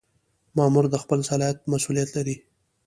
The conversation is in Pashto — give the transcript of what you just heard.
مامور د خپل صلاحیت مسؤلیت لري.